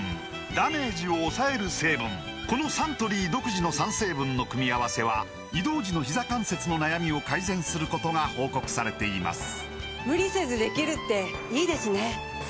このサントリー独自の３成分の組み合わせは移動時のひざ関節の悩みを改善することが報告されています